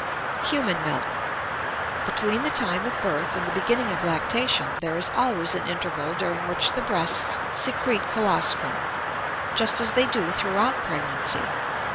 Human Milk. Between the time of birth and the beginning of lactation there is always an interval during which the breasts secrete colostrum, just as they do throughout pregnancy.